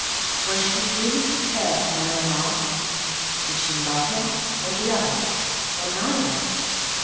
Was she really prepared to marry Mark? Did she love him—or the other—or neither?